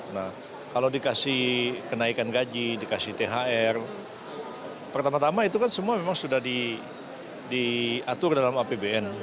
nah kalau dikasih kenaikan gaji dikasih thr pertama tama itu kan semua memang sudah diatur dalam apbn